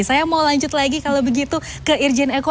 saya mau lanjut lagi kalau begitu ke irjen eko